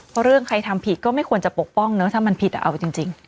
เพราะเรื่องใครทำผิดก็ไม่ควรปกป้องนะถ้ามันผิดมันปล่อยได้จริง